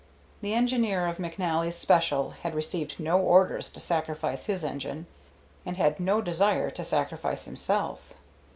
The engineer of McNally's special had received no orders to sacrifice his engine, and had no desire to sacrifice himself.